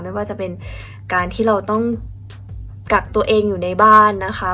ไม่ว่าจะเป็นการที่เราต้องกักตัวเองอยู่ในบ้านนะคะ